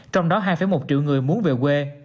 trong đó hai một triệu người muốn về quê